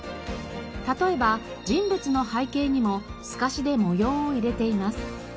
例えば人物の背景にもすかしで模様を入れています。